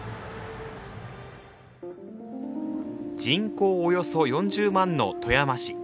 人口およそ４０万の富山市。